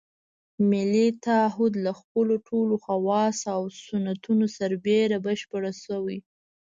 ملي تعهُد له خپلو ټولو خواصو او سنتونو سره بېرته بشپړ شوی.